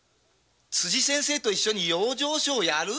辻先生と一緒に養生所をやる！？